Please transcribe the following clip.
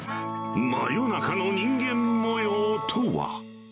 真夜中の人間もようとは。